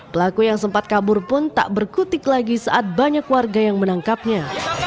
pelaku yang sempat kabur pun tak berkutik lagi saat banyak warga yang menangkapnya